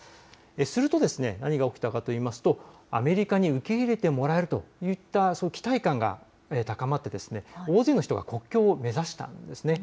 すると、何が起きたかというとアメリカに受け入れてもらえるといったそういった期待感が高まって大勢の人たちが国境を目指したんです。